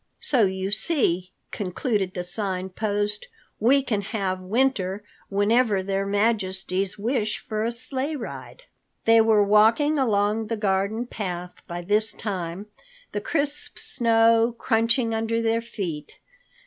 "So you see," concluded the Sign Post, "we can have winter whenever Their Majesties wish for a sleigh ride." They were walking along the garden path by this time, the crisp snow crunching under their feet.